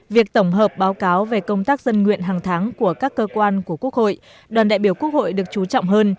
việc tổng hợp báo cáo về công tác dân nguyện hàng tháng của các cơ quan của quốc hội đoàn đại biểu quốc hội được chú trọng hơn